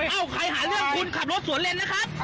ใครหาเรื่องคุณขับรถสวนเล่นนะครับ